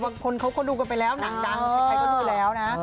เออเอาว่าคนเขาก็ดูกันไปแล้วหนังใครก็ดูแล้วนะ